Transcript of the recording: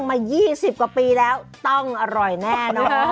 มา๒๐กว่าปีแล้วต้องอร่อยแน่นอน